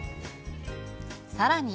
さらに。